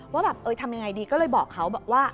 ว่าทำยังไงดีก็เลยบอกเขาว่า